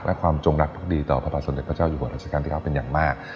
และความจงรักภักดีต่อพระบาทสมเด็จพระเจ้าอยู่หัวราชการที่๙เป็นอย่างมาก